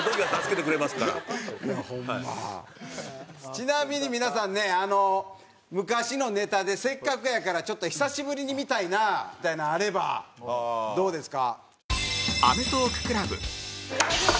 ちなみに皆さんねあの昔のネタでせっかくやからちょっと久しぶりに見たいなみたいなのあればどうですか？